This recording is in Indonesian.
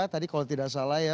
tadi kalau tidak salah ya